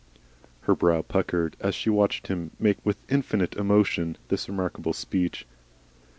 Her brow puckered, as she watched him make, with infinite emotion, this remarkable speech.